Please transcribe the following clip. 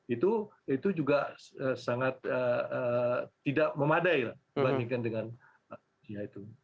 itu juga sangat tidak memadai lah dibandingkan dengan itu